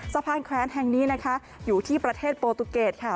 สะพานแขวนแห่งนี้นะคะอยู่ที่ประเทศโปรตุเกตค่ะ